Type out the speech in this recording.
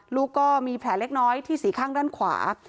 ลูกก็มีแผลเล็กน้อยที่สี่ข้างด้านขวา